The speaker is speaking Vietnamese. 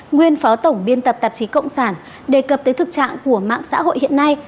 nguyên phó tổng biên tập tạp chí cộng sản đề cập tới thực trạng của mạng xã hội hiện nay